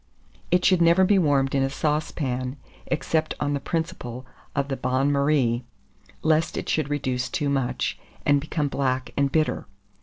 It should never be warmed in a saucepan, except on the principle of the bain marie, lest it should reduce too much, and become black and bitter.